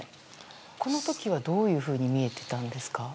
この時はどういうふうに見えていたんですか？